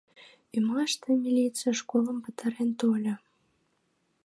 Ӱмаште милиций школым пытарен тольо.